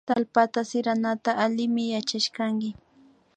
Tallpata siranata allimi yachashkanki